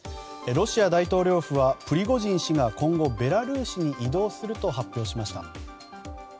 ロシア大統領府はプリゴジン氏が今後、ベラルーシに移動すると発表しました。